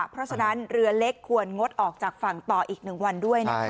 เพราะฉะนั้นเรือเล็กควรงดออกจากฝั่งต่ออีก๑วันด้วยนะคะ